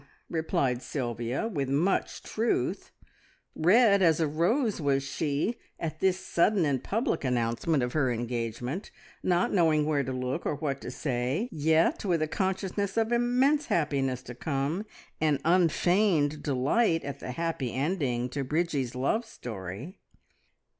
replied Sylvia, with much truth. Red as a rose was she, at this sudden and public announcement of her engagement, not knowing where to look, or what to say, yet with a consciousness of immense happiness to come, and unfeigned delight at the happy ending to Bridgie's love story.